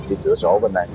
cái cửa sổ bên này